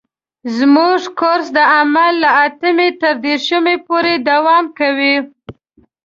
زموږ کورس د حمل له اتم تر دېرشم پورې دوام کوي.